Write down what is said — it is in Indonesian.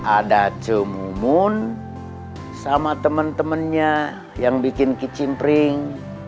ada cemumun sama teman temannya yang bikin kicimpring